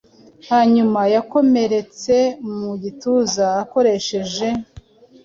Hanyuma yakomeretse mu gituza akoresheje